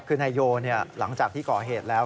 คือนายโยหลังจากที่ก่อเหตุแล้ว